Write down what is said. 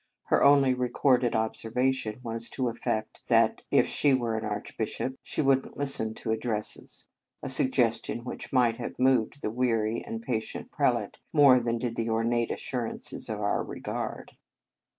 Her only recorded observation was to the effect that, if she were an archbishop, she would n t The Convent Stage listen to addresses ; a suggestion which might have moved the weary and pa tient prelate more than did the ornate assurances of our regard.